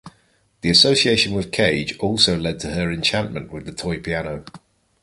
The association with Cage also led to her enchantment with the toy piano.